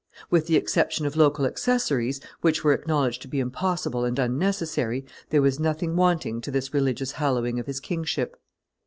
With the exception of local accessories, which were acknowledged to be impossible and unnecessary, there was nothing wanting to this religious hallowing of his kingship.